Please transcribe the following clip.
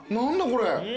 これ。